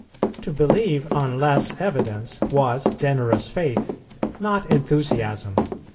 To believe on less evidence was generous faith, not enthusiasm.